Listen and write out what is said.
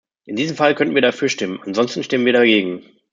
In diesem Fall könnten wir dafür stimmen, ansonsten stimmen wir dagegen.